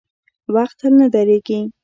• وخت تل نه درېږي.